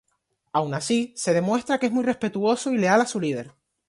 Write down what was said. Aun así, se demuestra que es muy respetuoso y leal a su líder.